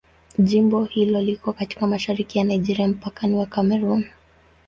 Jimbo liko katika mashariki ya Nigeria, mpakani wa Kamerun.